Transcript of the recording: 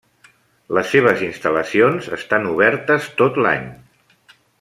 Les seves instal·lacions estan obertes tot l'any.